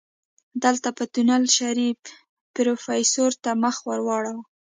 دلته په تونل کې شريف پروفيسر ته مخ واړوه.